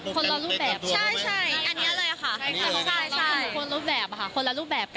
คนละรูปแบบใช่อันนี้เลยค่ะคนรูปแบบค่ะคนละรูปแบบกัน